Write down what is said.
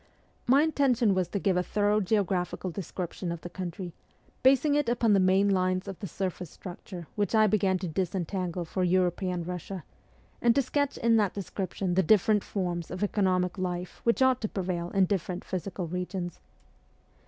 My intention was to give a thorough geographical description of the country, basing it upon the main lines of the surface structure which I began to disentangle for European Russia ; and to sketch in that description the different forms of economic life which ought to prevail in different physical regions.